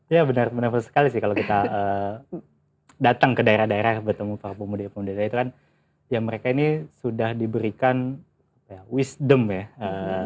ya benar benar sekali sih kalau kita datang ke daerah daerah bertemu para pemuda pemuda itu kan ya mereka ini sudah diberikan wisdom ya